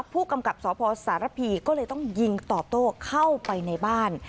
ผู้กำกับสพสารพีก็เลยต้องยิงตอบโต้เข้าไปในบ้าน